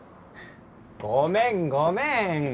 ごめんごめん！